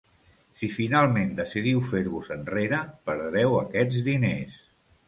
Si finalment decidiu fer-vos enrere, perdreu aquests diners.